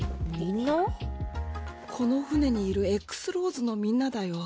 この船にいるＸ−ＬＡＷＳのみんなだよ。